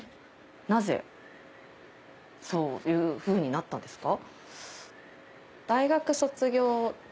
なぜそういうふうになったんですか？